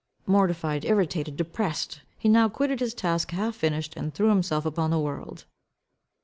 Mortified, irritated, depressed, he now quitted his task half finished and threw himself upon the world.